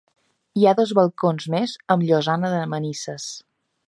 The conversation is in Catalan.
Hi ha dos balcons més amb llosana de manises.